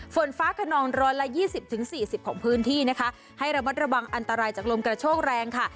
ฝนฟ้าขนองร้อยละยี่สิบถึงสี่สิบของพื้นที่นะคะให้ระมัดระวังอันตรายจากลมกระโชกแรงค่ะ